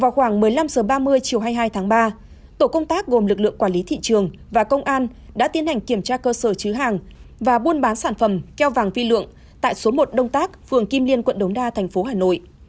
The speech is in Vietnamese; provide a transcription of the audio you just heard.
vào khoảng một mươi năm h ba mươi chiều hai mươi hai tháng ba tổ công tác gồm lực lượng quản lý thị trường và công an đã tiến hành kiểm tra cơ sở chứa hàng và buôn bán sản phẩm keo vàng phi lượng tại số một đông tác phường kim liên quận đống đa thành phố hà nội